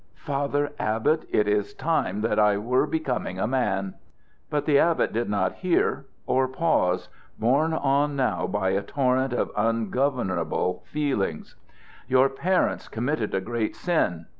"Father Abbot, it is time that I were becoming a man." But the abbot did not hear or pause, borne on now by a torrent of ungovernable feelings: "Your parents committed a great sin."